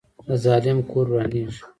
د ظالم کور ورانیږي